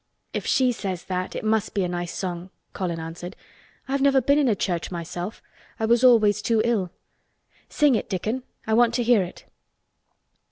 "If she says that, it must be a nice song," Colin answered. "I've never been in a church myself. I was always too ill. Sing it, Dickon. I want to hear it."